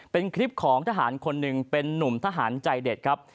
เป็นคลิปของทหารคนหนึ่งเป็นนุ่มทหารใจเด็ดครับ